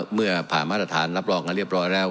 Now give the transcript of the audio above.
เมื่อผ่านมาตรฐานรับรองกันเรียบร้อยแล้ว